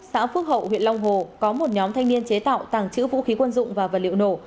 xã phước hậu huyện long hồ có một nhóm thanh niên chế tạo tàng trữ vũ khí quân dụng và vật liệu nổ